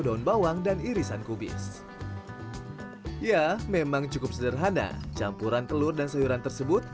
daun bawang dan irisan kubis ya memang cukup sederhana campuran telur dan sayuran tersebut